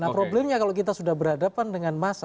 nah problemnya kalau kita sudah berhadapan dengan massa